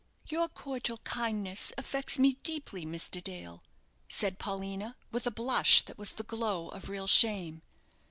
"Your cordial kindness affects me deeply, Mr. Dale," said Paulina, with a blush that was the glow of real shame.